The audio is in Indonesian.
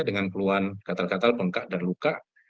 dengan keluhan katal katal bengkak dan luka